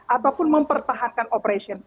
ataupun mempertahankan operasi